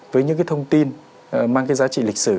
với những thông tin mang giá trị lịch sử